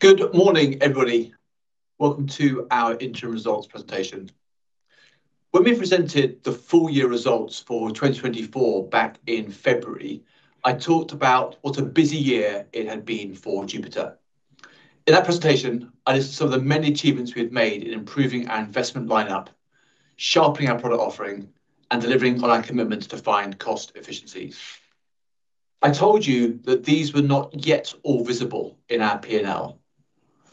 Good morning, everybody. Welcome to our interim results presentation. When we presented the full-year results for 2024 back in February, I talked about what a busy year it had been for Jupiter. In that presentation, I listed some of the many achievements we've made in improving our investment lineup, sharpening our product offering, and delivering on our commitment to defined cost efficiencies. I told you that these were not yet all visible in our P&L,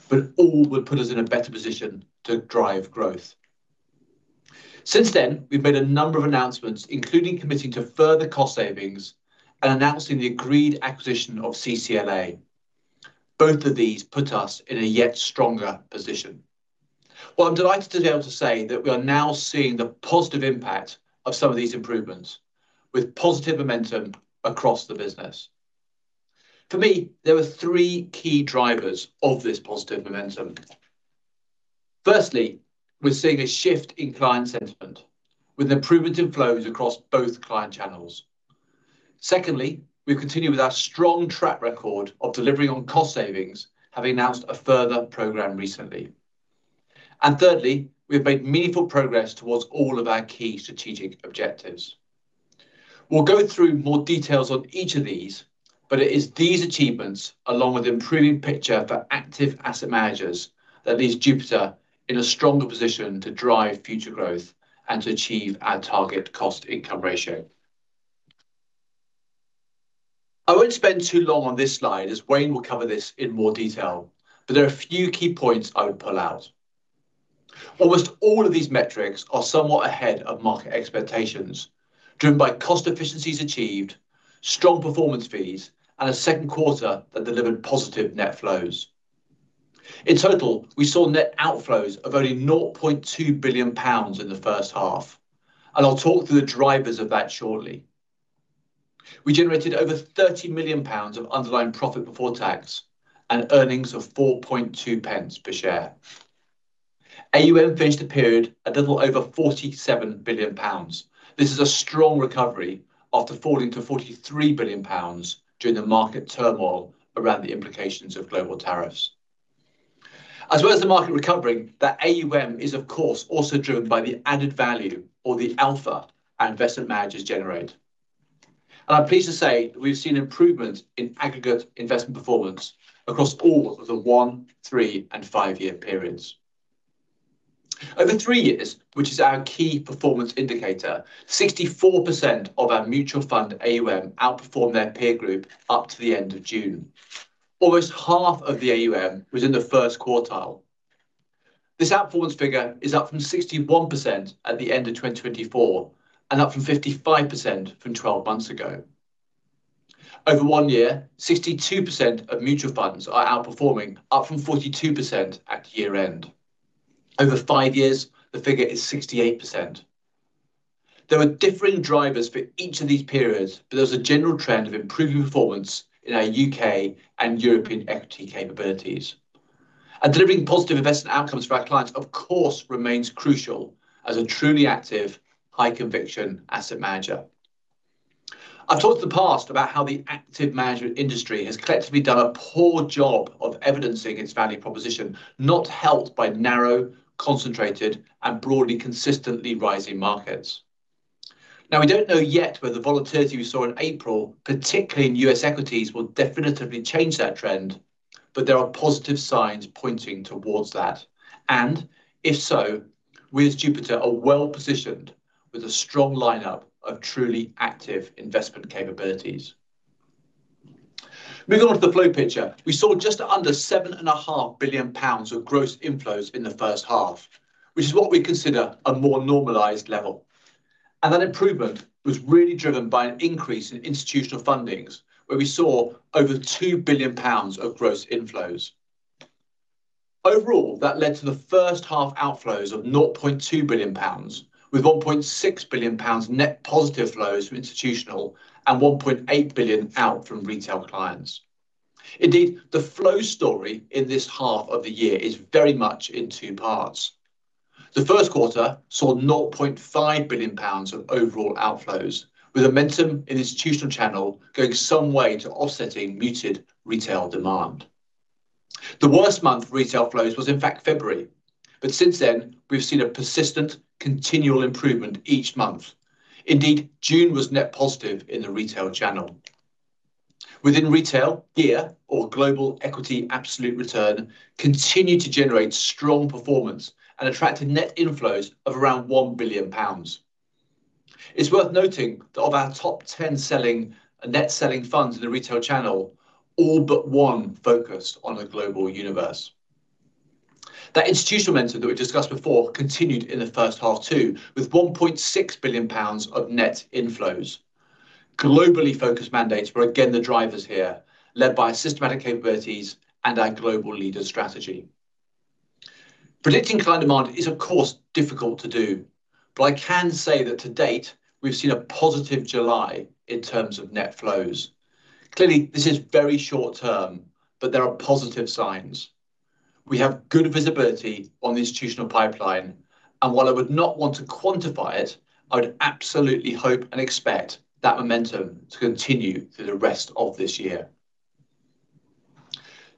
but all would put us in a better position to drive growth. Since then, we've made a number of announcements, including committing to further cost savings and announcing the agreed acquisition of CCLA. Both of these put us in a yet stronger position. I am delighted to be able to say that we are now seeing the positive impact of some of these improvements, with positive momentum across the business. For me, there were three key drivers of this positive momentum. Firstly, we're seeing a shift in client sentiment, with improvements in flows across both client channels. Secondly, we continue with our strong track record of delivering on cost savings, having announced a further program recently. Thirdly, we've made meaningful progress towards all of our key strategic objectives. We'll go through more details on each of these, but it is these achievements, along with the improving picture for active asset managers, that leaves Jupiter in a stronger position to drive future growth and to achieve our target cost-income ratio. I won't spend too long on this slide, as Wayne will cover this in more detail, but there are a few key points I would pull out. Almost all of these metrics are somewhat ahead of market expectations, driven by cost efficiencies achieved, strong performance fees, and a second quarter that delivered positive net flows. In total, we saw net outflows of only 0.2 billion pounds in the first half, and I'll talk through the drivers of that shortly. We generated over 30 million pounds of underlying profit before tax and earnings of 0.042 pence per share. AUM finished the period at a total of over 47 billion pounds. This is a strong recovery after falling to 43 billion pounds during the market turmoil around the implications of global tariffs. As well as the market recovering, that AUM is, of course, also driven by the added value, or the alpha, our investment managers generate. I'm pleased to say that we've seen improvements in aggregate investment performance across all of the one, three, and five-year periods. Over three years, which is our key performance indicator, 64% of our mutual fund AUM outperformed their peer group up to the end of June. Almost half of the AUM was in the first quartile. This outperformance figure is up from 61% at the end of 2024 and up from 55% from 12 months ago. Over one year, 62% of mutual funds are outperforming, up from 42% at year-end. Over five years, the figure is 68%. There are differing drivers for each of these periods, but there's a general trend of improving performance in our U.K. and European equity capabilities. Delivering positive investment outcomes for our clients, of course, remains crucial as a truly active, high-conviction asset manager. I've talked in the past about how the active management industry has collectively done a poor job of evidencing its value proposition, not helped by narrow, concentrated, and broadly consistently rising markets. We don't know yet whether the volatility we saw in April, particularly in U.S. equities, will definitively change that trend, but there are positive signs pointing towards that. If so, we as Jupiter are well-positioned with a strong lineup of truly active investment capabilities. Moving on to the flow picture, we saw just under 7.5 billion pounds of gross inflows in the first half, which is what we consider a more normalized level. That improvement was really driven by an increase in institutional fundings, where we saw over 2 billion pounds of gross inflows. Overall, that led to the first half outflows of 0.2 billion pounds, with 1.6 billion pounds net positive flows from institutional and 1.8 billion out from retail clients. The flow story in this half of the year is very much in two parts. The first quarter saw 0.5 billion pounds of overall outflows, with momentum in institutional channels going some way to offsetting muted retail demand. The worst month for retail flows was, in fact, February, but since then, we've seen a persistent, continual improvement each month. June was net positive in the retail channel. Within retail, GEAR, or global equity absolute return, continued to generate strong performance and attracted net inflows of around 1 billion pounds. It's worth noting that of our top 10 net selling funds in the retail channel, all but one focused on a global universe. That institutional momentum that we discussed before continued in the first half too, with 1.6 billion pounds of net inflows. Globally focused mandates were again the drivers here, led by systematic capabilities and our Global Leaders strategy. Predicting client demand is, of course, difficult to do, but I can say that to date, we've seen a positive July in terms of net flows. Clearly, this is very short term, but there are positive signs. We have good visibility on the institutional pipeline, and while I would not want to quantify it, I would absolutely hope and expect that momentum to continue through the rest of this year.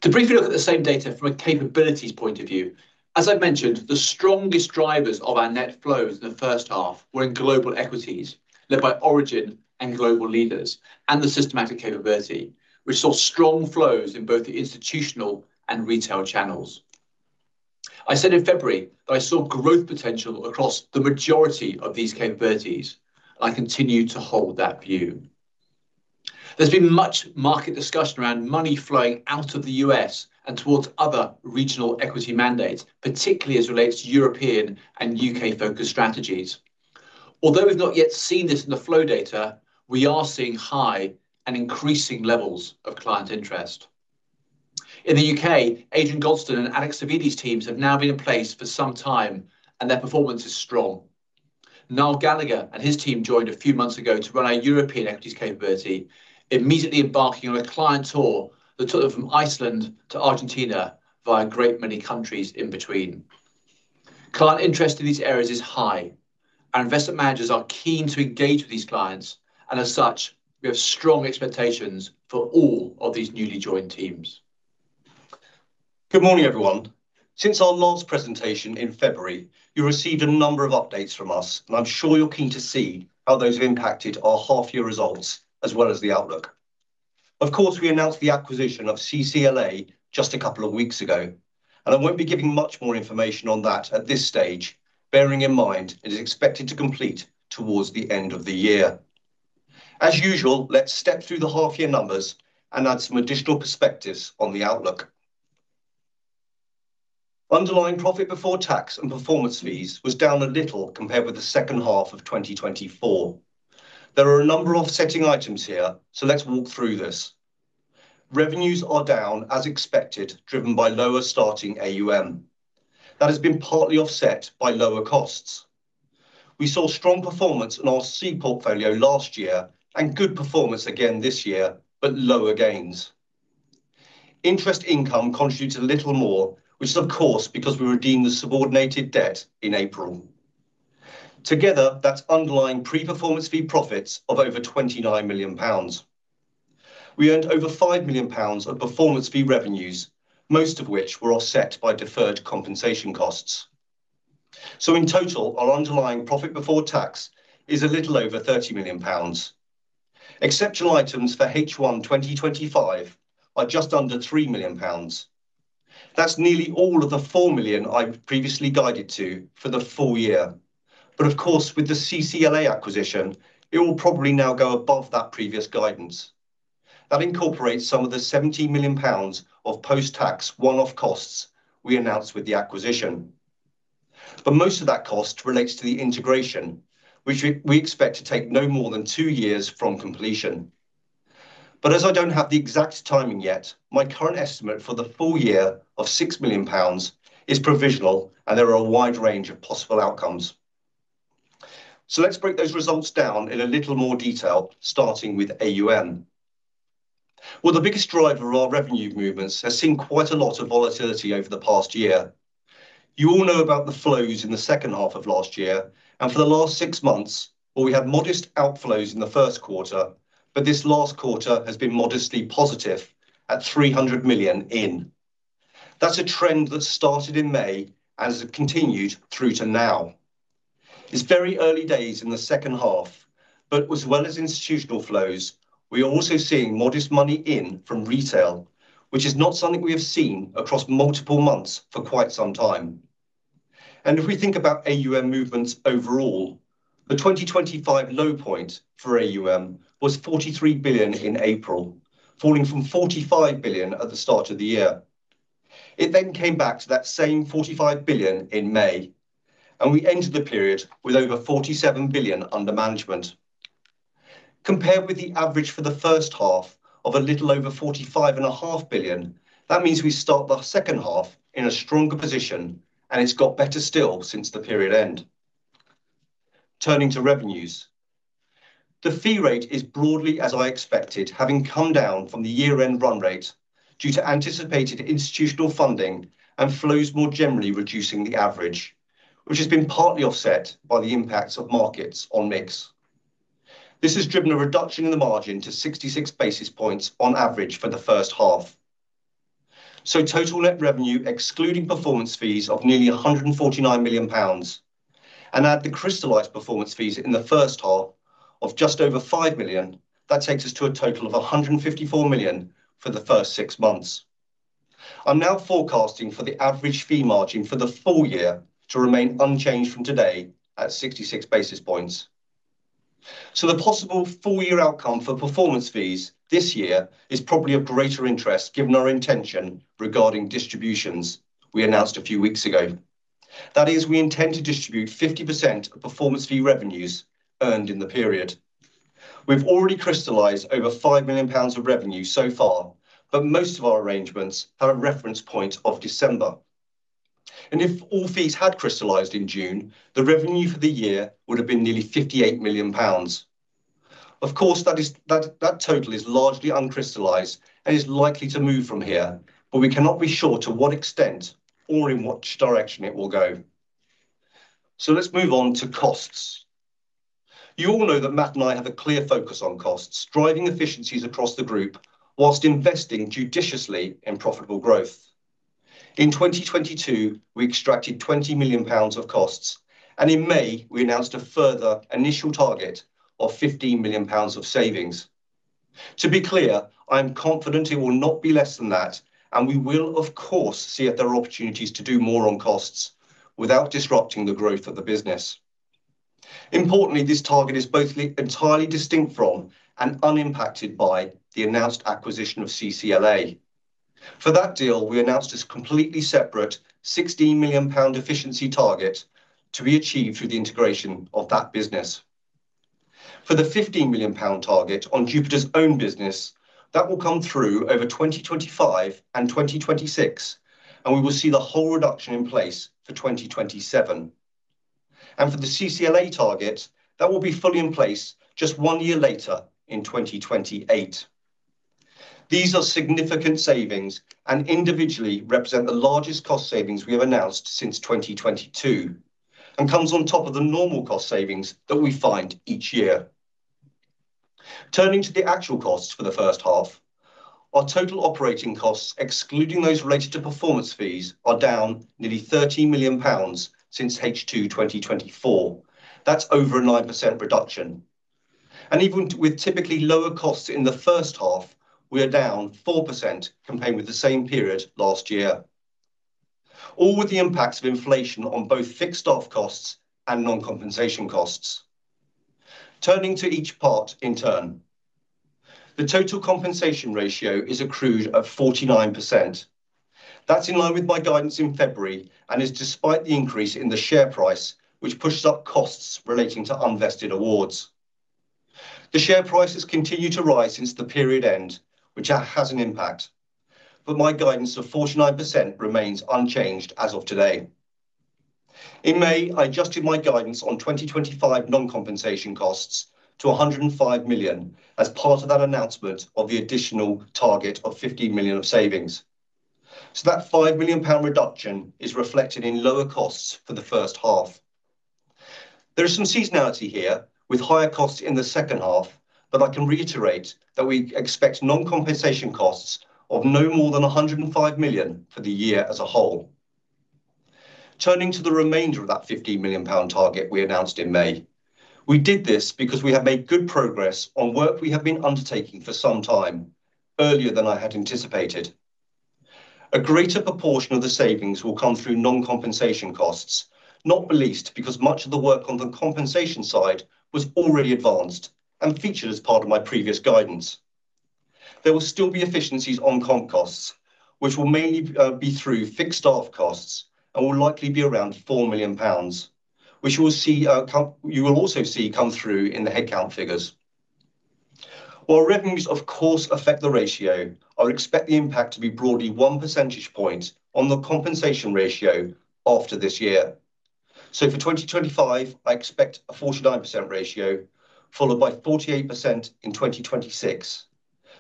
To briefly look at the same data from a capabilities point of view, as I've mentioned, the strongest drivers of our net flows in the first half were in global equities, led by Origin and Global Leaders, and the systematic capability, which saw strong flows in both the institutional and retail channels. I said in February that I saw growth potential across the majority of these capabilities, and I continue to hold that view. There's been much market discussion around money flowing out of the U.S. and towards other regional equity mandates, particularly as it relates to European and UK-focused strategies. Although we've not yet seen this in the flow data, we are seeing high and increasing levels of client interest. In the U.K., Adrian Gosden and Alex Savvides' teams have now been in place for some time, and their performance is strong. Niall Gallagher and his team joined a few months ago to run our European equities capability, immediately embarking on a client tour that took them from Iceland to Argentina via a great many countries in between. Client interest in these areas is high, and investment managers are keen to engage with these clients, and as such, we have strong expectations for all of these newly joined teams. Good morning, everyone. Since our last presentation in February, you received a number of updates from us, and I'm sure you're keen to see how those have impacted our half-year results as well as the outlook. Of course, we announced the acquisition of CCLA just a couple of weeks ago, and I won't be giving much more information on that at this stage, bearing in mind it is expected to complete towards the end of the year. As usual, let's step through the half-year numbers and add some additional perspectives on the outlook. Underlying profit before tax and performance fees were down a little compared with the second half of 2024. There are a number of offsetting items here, so let's walk through this. Revenues are down as expected, driven by lower starting AUM. That has been partly offset by lower costs. We saw strong performance in our C portfolio last year and good performance again this year, but lower gains. Interest income contributed a little more, which is, of course, because we redeemed the subordinated debt in April. Together, that's underlying pre-performance fee profits of over 29 million pounds. We earned over 5 million pounds of performance fee revenues, most of which were offset by deferred compensation costs. In total, our underlying profit before tax is a little over 30 million pounds. Exceptional items for H1 2025 are just under 3 million pounds. That's nearly all of the 4 million I've previously guided to for the full year. Of course, with the CCLA acquisition, it will probably now go above that previous guidance. That incorporates some of the GBP 17 million of post-tax one-off costs we announced with the acquisition. Most of that cost relates to the integration, which we expect to take no more than two years from completion. As I don't have the exact timing yet, my current estimate for the full year of 6 million pounds is provisional, and there are a wide range of possible outcomes. Let's break those results down in a little more detail, starting with AUM. The biggest driver of our revenue movements has seen quite a lot of volatility over the past year. You all know about the flows in the second half of last year, and for the last six months, we had modest outflows in the first quarter, but this last quarter has been modestly positive at 300 million in. That's a trend that started in May and has continued through to now. It's very early days in the second half, but as well as institutional flows, we are also seeing modest money in from retail, which is not something we have seen across multiple months for quite some time. If we think about AUM movements overall, the 2025 low point for AUM was 43 billion in April, falling from 45 billion at the start of the year. It then came back to that same 45 billion in May, and we ended the period with over 47 billion under management. Compared with the average for the first half of a little over 45.5 billion, that means we start the second half in a stronger position, and it's got better still since the period end. Turning to revenues, the fee rate is broadly, as I expected, having come down from the year-end run rate due to anticipated institutional funding and flows more generally reducing the average, which has been partly offset by the impacts of markets on mix. This has driven a reduction in the margin to 66 basis points on average for the first half. Total net revenue, excluding performance fees, is nearly 149 million pounds, and adding the crystallized performance fees in the first half of just over 5 million, that takes us to a total of 154 million for the first six months. I'm now forecasting for the average fee margin for the full year to remain unchanged from today at 66 basis points. The possible full-year outcome for performance fees this year is probably of greater interest given our intention regarding distributions we announced a few weeks ago. That is, we intend to distribute 50% of performance fee revenues earned in the period. We've already crystallized over 5 million pounds of revenue so far, but most of our arrangements have a reference point of December. If all fees had crystallized in June, the revenue for the year would have been nearly 58 million pounds. Of course, that total is largely uncrystallized and is likely to move from here, but we cannot be sure to what extent or in what direction it will go. Let's move on to costs. You all know that Matt and I have a clear focus on costs, driving efficiencies across the group whilst investing judiciously in profitable growth. In 2022, we extracted 20 million pounds of costs, and in May, we announced a further initial target of 15 million pounds of savings. To be clear, I am confident it will not be less than that, and we will, of course, see if there are opportunities to do more on costs without disrupting the growth of the business. Importantly, this target is both entirely distinct from and unimpacted by the announced acquisition of CCLA. For that deal, we announced a completely separate 16 million pound efficiency target to be achieved through the integration of that business. For the 15 million pound target on Jupiter's own business, that will come through over 2025 and 2026, and we will see the whole reduction in place for 2027. For the CCLA target, that will be fully in place just one year later in 2028. These are significant savings and individually represent the largest cost savings we have announced since 2022 and come on top of the normal cost savings that we find each year. Turning to the actual costs for the first half, our total operating costs, excluding those related to performance fees, are down nearly 13 million pounds since H2 2024. That's over a 9% reduction. Even with typically lower costs in the first half, we are down 4% compared with the same period last year, all with the impacts of inflation on both fixed off-costs and non-compensation costs. Turning to each part in turn, the total compensation ratio is accrued at 49%. That's in line with my guidance in February and is despite the increase in the share price, which pushes up costs relating to unvested awards. The share price has continued to rise since the period end, which has an impact, but my guidance of 49% remains unchanged as of today. In May, I adjusted my guidance on 2025 non-compensation costs to 105 million as part of that announcement of the additional target of 15 million of savings. That 5 million pound reduction is reflected in lower costs for the first half. There is some seasonality here with higher costs in the second half. I can reiterate that we expect non-compensation costs of no more than 105 million for the year as a whole. Turning to the remainder of that 15 million pound target we announced in May, we did this because we have made good progress on work we have been undertaking for some time, earlier than I had anticipated. A greater proportion of the savings will come through non-compensation costs, not the least because much of the work on the compensation side was already advanced and featured as part of my previous guidance. There will still be efficiencies on comp costs, which will mainly be through fixed off-costs and will likely be around 4 million pounds, which you will also see come through in the headcount figures. While revenues, of course, affect the ratio, I expect the impact to be broadly one percentage point on the compensation ratio after this year. For 2025, I expect a 49% ratio followed by 48% in 2026.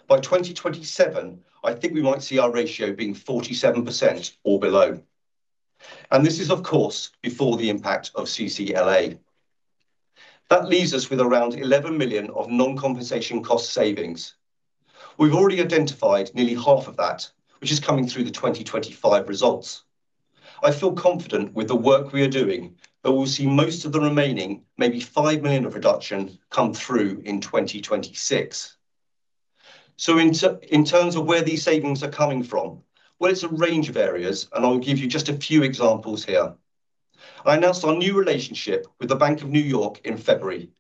By 2027, I think we might see our ratio being 47% or below. This is, of course, before the impact of CCLA. That leaves us with around 11 million of non-compensation cost savings. We've already identified nearly half of that, which is coming through the 2025 results. I feel confident with the work we are doing that we'll see most of the remaining, maybe 5 million of reduction, come through in 2026. In terms of where these savings are coming from, it's a range of areas, and I'll give you just a few examples here. I announced our new relationship with The Bank of New York in February.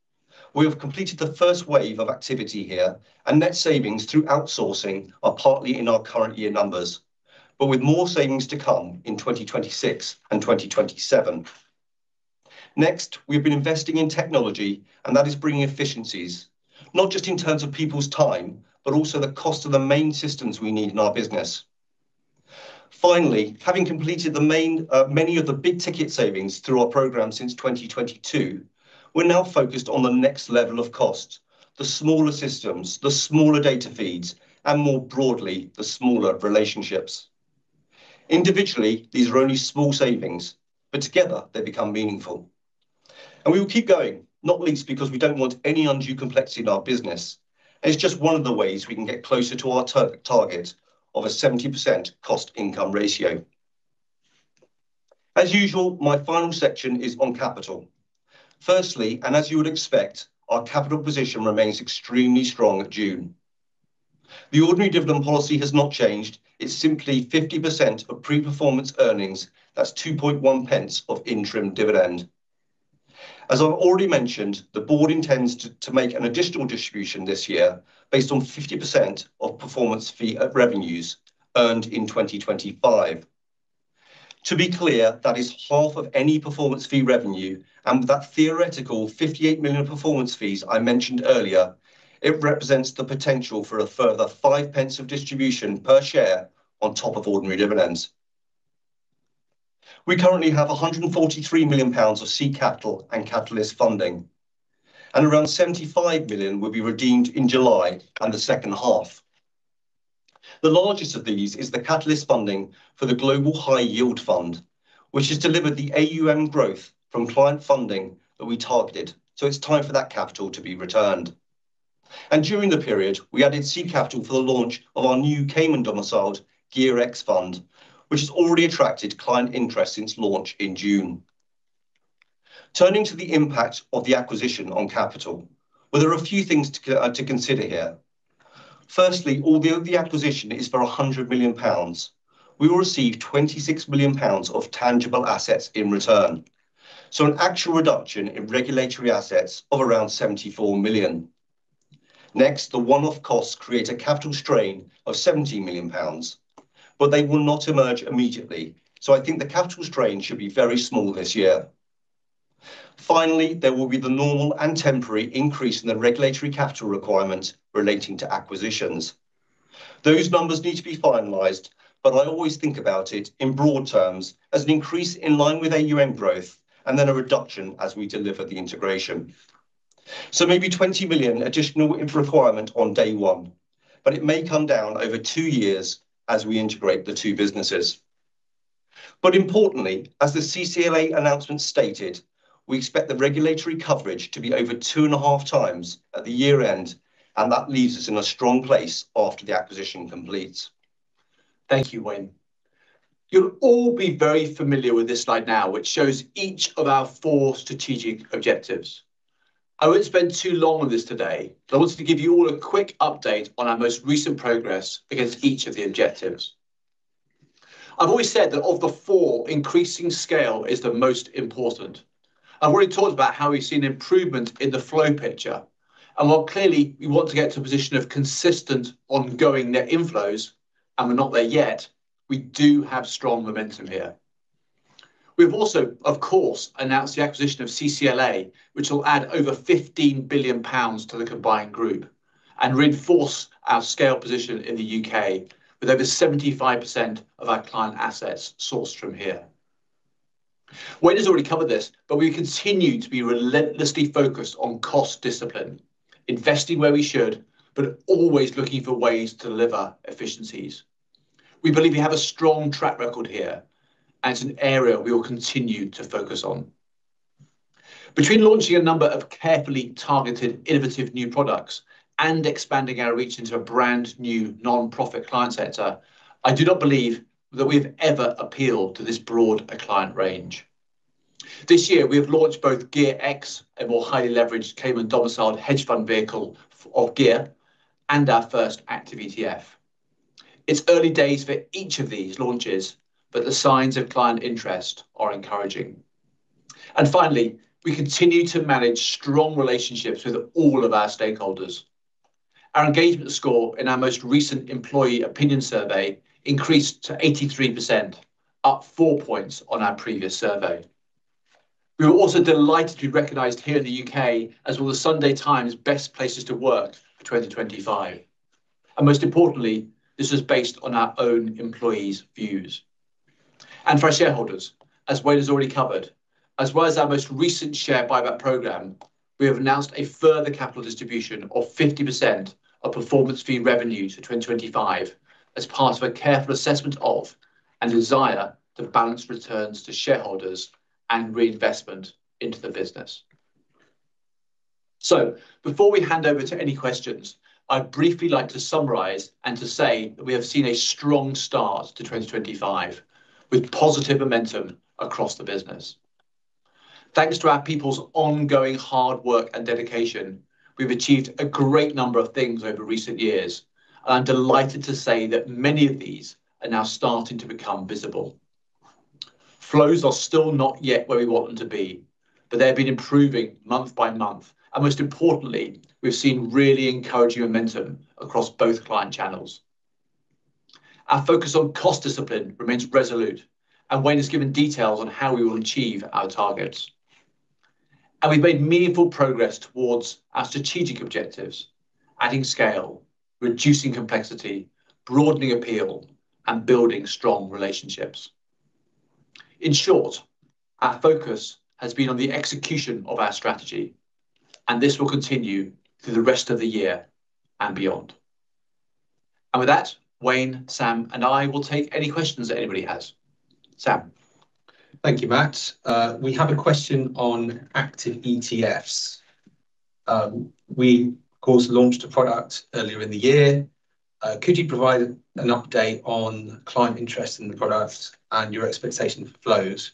We have completed the first wave of activity here, and net savings through outsourcing are partly in our current year numbers, with more savings to come in 2026 and 2027. Next, we've been investing in technology, and that is bringing efficiencies, not just in terms of people's time, but also the cost of the main systems we need in our business. Finally, having completed many of the big ticket savings through our program since 2022, we're now focused on the next level of cost, the smaller systems, the smaller data feeds, and more broadly, the smaller relationships. Individually, these are only small savings, but together they become meaningful. We will keep going, not least because we don't want any undue complexity in our business, and it's just one of the ways we can get closer to our target of a 70% cost-income ratio. As usual, my final section is on capital. Firstly, and as you would expect, our capital position remains extremely strong in June. The ordinary dividend policy has not changed, it's simply 50% of pre-performance earnings. That's 0.021 of interim dividend. As I've already mentioned, the board intends to make an additional distribution this year based on 50% of performance fee revenues earned in 2025. To be clear, that is half of any performance fee revenue, and that theoretical 58 million performance fees I mentioned earlier, it represents the potential for a further 0.05 of distribution per share on top of ordinary dividends. We currently have 143 million pounds of seed capital and catalyst funding, and around 75 million will be redeemed in July and the second half. The largest of these is the catalyst funding for the Global High Yield Fund, which has delivered the AUM growth from client funding that we targeted, so it's time for that capital to be returned. During the period, we added seed capital for the launch of our new Cayman-domiciled GEARx fund, which has already attracted client interest since launch in June. Turning to the impact of the acquisition on capital, there are a few things to consider here. Firstly, although the acquisition is for 100 million pounds, we will receive 26 million pounds of tangible assets in return, so an actual reduction in regulatory assets of around 74 million. Next, the one-off costs create a capital strain of 17 million pounds, but they will not emerge immediately, so I think the capital strain should be very small this year. Finally, there will be the normal and temporary increase in the regulatory capital requirement relating to acquisitions. Those numbers need to be finalized, but I always think about it in broad terms as an increase in line with AUM growth and then a reduction as we deliver the integration. Maybe 20 million additional requirement on day one, but it may come down over two years as we integrate the two businesses. Importantly, as the CCLA announcement stated, we expect the regulatory coverage to be over 2.5x at the year-end, and that leaves us in a strong place after the acquisition completes. Thank you, Wayne. You'll all be very familiar with this slide now, which shows each of our four strategic objectives. I won't spend too long on this today, but I wanted to give you all a quick update on our most recent progress against each of the objectives. I've always said that of the four, increasing scale is the most important. I've already talked about how we've seen improvements in the flow picture, and while clearly we want to get to a position of consistent ongoing net inflows, and we're not there yet, we do have strong momentum here. We've also, of course, announced the acquisition of CCLA, which will add over 15 billion pounds to the combined group and reinforce our scale position in the UK with over 75% of our client assets sourced from here. Wayne has already covered this, but we continue to be relentlessly focused on cost discipline, investing where we should, but always looking for ways to deliver efficiencies. We believe we have a strong track record here, and it's an area we will continue to focus on. Between launching a number of carefully targeted innovative new products and expanding our reach into a brand new nonprofit client sector, I do not believe that we have ever appealed to this broad client range. This year, we have launched both GEARx, a more highly leveraged Cayman-domiciled hedge fund vehicle of GEAR, and our first Active ETF. It's early days for each of these launches, but the signs of client interest are encouraging. Finally, we continue to manage strong relationships with all of our stakeholders. Our engagement score in our most recent employee opinion survey increased to 83%, up four points on our previous survey. We were also delighted to be recognized here in the U.K. as one of The Sunday Times' best places to work for 2025. Most importantly, this is based on our own employees' views. For our shareholders, as Wayne has already covered, as well as our most recent share buyback program, we have announced a further capital distribution of 50% of performance fee revenues for 2025 as part of a careful assessment of and desire to balance returns to shareholders and reinvestment into the business. Before we hand over to any questions, I'd briefly like to summarize and say that we have seen a strong start to 2025 with positive momentum across the business. Thanks to our people's ongoing hard work and dedication, we've achieved a great number of things over recent years, and I'm delighted to say that many of these are now starting to become visible. Flows are still not yet where we want them to be, but they've been improving month by month, and most importantly, we've seen really encouraging momentum across both client channels. Our focus on cost discipline remains resolute, and Wayne has given details on how we will achieve our targets. We've made meaningful progress towards our strategic objectives, adding scale, reducing complexity, broadening appeal, and building strong relationships. In short, our focus has been on the execution of our strategy, and this will continue through the rest of the year and beyond. With that, Wayne, Sam, and I will take any questions that anybody has. Sam. Thank you, Matt. We have a question on Active ETFs. We, of course, launched a product earlier in the year. Could you provide an update on client interest in the products and your expectation for flows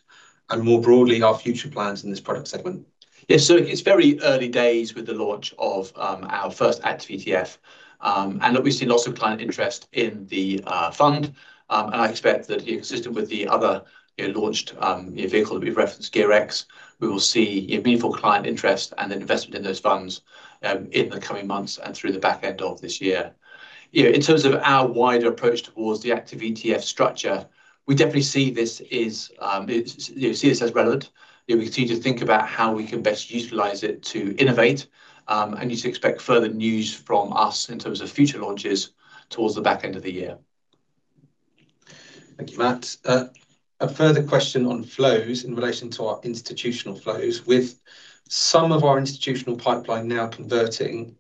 and more broadly our future plans in this product segment? Yes, it's very early days with the launch of our first Active ETF, and we've seen lots of client interest in the fund. I expect that, consistent with the other launched vehicle that we've referenced, GEARx, we will see meaningful client interest and then investment in those funds in the coming months and through the back end of this year. In terms of our wider approach towards the Active ETF structure, we definitely see this as relevant. We continue to think about how we can best utilize it to innovate, and you should expect further news from us in terms of future launches towards the back end of the year. Thank you, Matt. A further question on flows in relation to our institutional flows. With some of our institutional pipeline now converting,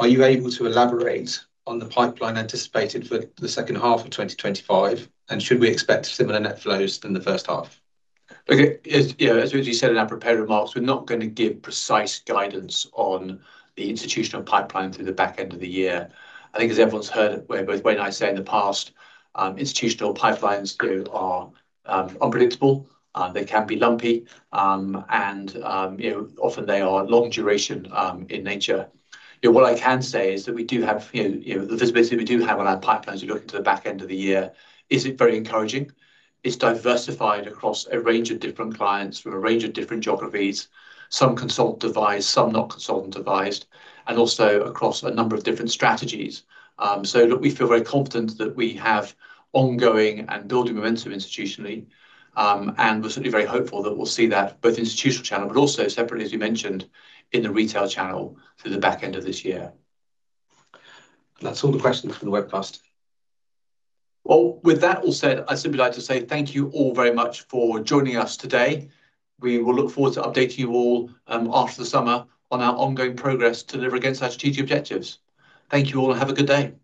are you able to elaborate on the pipeline anticipated for the second half of 2025, and should we expect similar net flows as the first half? Yeah, as you said in our prepared remarks, we're not going to give precise guidance on the institutional pipeline through the back end of the year. I think, as everyone's heard, where both Wayne and I have said in the past, institutional pipelines are unpredictable. They can be lumpy, and often they are long duration in nature. What I can say is that we do have the visibility we do have on our pipelines we look into the back end of the year is very encouraging. It's diversified across a range of different clients from a range of different geographies, some consultant advised, some not consultant advised, and also across a number of different strategies. We feel very confident that we have ongoing and building momentum institutionally, and we're certainly very hopeful that we'll see that both institutional channel, but also separately, as you mentioned, in the retail channel through the back end of this year. That's all the questions from the webcast. Thank you all very much for joining us today. We will look forward to updating you all after the summer on our ongoing progress to deliver against our strategic objectives. Thank you all and have a good day.